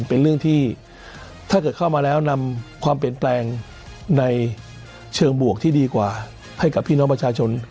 เป็นเรื่องที่ถ้าเกิดเข้ามาแล้วนำความเปลี่ยนแปลงในเชิงบวกที่ดีกว่าให้กับพี่น้องประชาชน